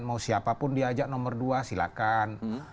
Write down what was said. mau siapapun diajak nomor dua silahkan